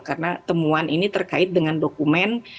karena temuan ini terkait dengan dokumen